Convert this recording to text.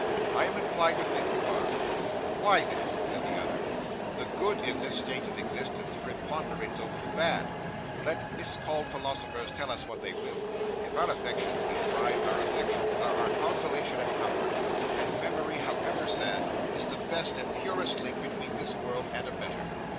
'I am inclined to think you are.' 'Why, then,' replied the other, 'the good in this state of existence preponderates over the bad, let miscalled philosophers tell us what they will. If our affections be tried, our affections are our consolation and comfort; and memory, however sad, is the best and purest link between this world and a better.